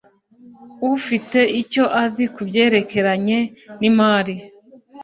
ufite icyo azi ku byerekeranye n’imari